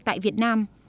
tại việt nam